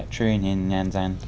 truyền hình nhân dân